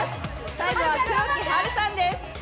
最後は黒木華さんです。